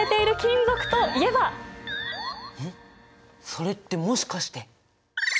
それってもしかして。